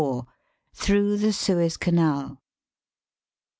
THROUGH THE SUEZ CANAL.